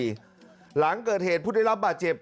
หมดนายที่เกิดเหตุผู้ได้รับบาดเจ็บ